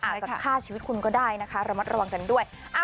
อาจจะฆ่าชีวิตคุณก็ได้นะคะระมัดระวังกันด้วย